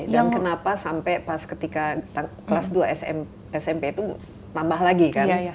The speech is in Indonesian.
dan kenapa sampai pas ketika kelas dua smp itu tambah lagi kan